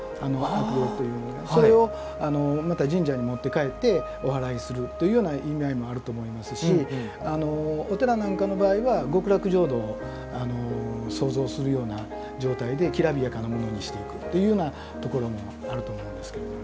それをまた神社に持って帰っておはらいするというような意味合いもあると思いますしお寺なんかの場合は極楽浄土を想像するような状態できらびやかなものにしていくというようなところもあると思うんですけれども。